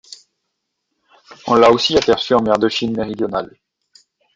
On l'a aussi aperçu en mer de Chine méridionale.